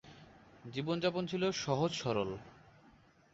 জীবনযাপন ছিল সহজ সরল।